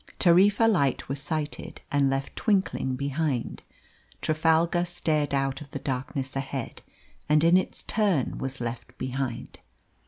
Tarifa light was sighted and left twinkling behind. Trafalgar stared out of the darkness ahead, and in its turn was left behind.